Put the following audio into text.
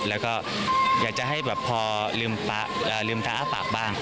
แล้วก็อยากจะให้พอลืมทะอาบหลักบ้าง